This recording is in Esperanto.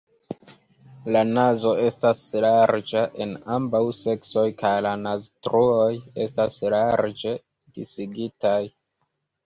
La nazo estas larĝa en ambaŭ seksoj kaj la naztruoj estas larĝe disigitaj.